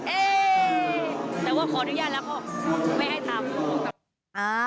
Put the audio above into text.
เอ๊แต่ว่าขออนุญาตแล้วก็ไม่ให้ทำ